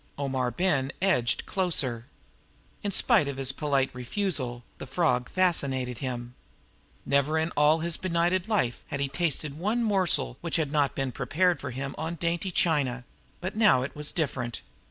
Omar Ben edged closer. In spite of his polite refusal, the frog fascinated him. Never in all his benighted life had he tasted one morsel which had not been prepared for him on dainty china; but now it was different.